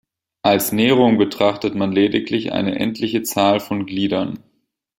Als Näherung betrachtet man lediglich eine endliche Zahl von Gliedern.